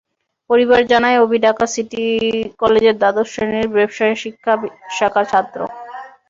পরিবার জানায়, অভি ঢাকার সিটি কলেজের দ্বাদশ শ্রেণির ব্যবসায় শিক্ষা শাখার ছাত্র।